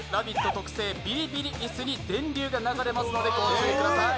特製ビリビリ椅子に電流が流れますのでご注意ください。